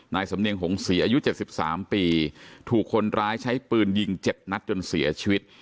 สำเนียงหงศรีอายุ๗๓ปีถูกคนร้ายใช้ปืนยิง๗นัดจนเสียชีวิต